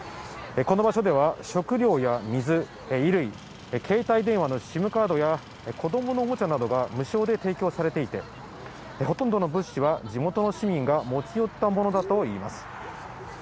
この場所では、食料や水、衣類、携帯電話のＳＩＭカードや子どものおもちゃなどが無償で提供されていて、ほとんどの物資は地元の市民が持ち寄ったものだといいます。